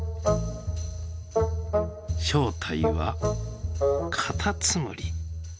正体はカタツムリ。